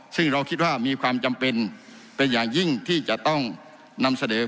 ซึ่งเราคิดว่ามีความจำเป็นเป็นอย่างยิ่งที่จะต้องนำเสนอ